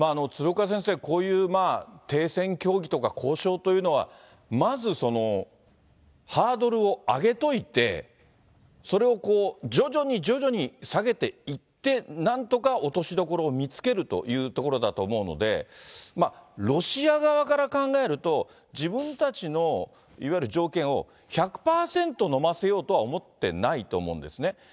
鶴岡先生、こういう停戦協議とか交渉というのは、まずハードルを上げといて、それを徐々に徐々に下げていって、なんとか落としどころを見つけるというところだと思うので、ロシア側から考えると、自分たちのいわゆる条件を、１００％のませようとは思ってないと思うんですね。